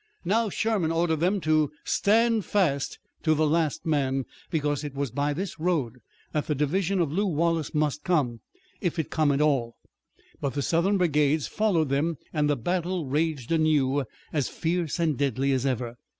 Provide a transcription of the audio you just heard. Now Sherman ordered them to stand fast to the last man, because it was by this road that the division of Lew Wallace must come, if it came at all. But Southern brigades followed them and the battle raged anew, as fierce and deadly as ever.